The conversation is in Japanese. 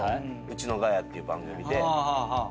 『ウチのガヤ』っていう番組で。